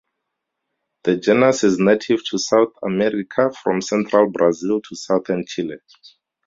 The genus is native to South America from central Brazil to southern Chile.